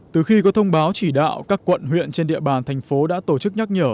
từ khi có thông báo chỉ đạo các quận huyện trên địa bàn thành phố đã tổ chức nhắc nhở